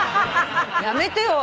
やめてよ。